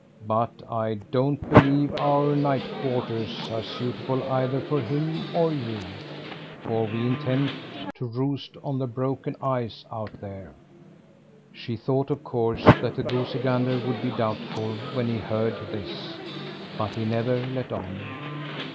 But I don't believe our night quarters are suitable either for him or you, for we intend to roost on the broken ice out here." She thought, of course, that the goosey gander would be doubtful when he heard this, but he never let on.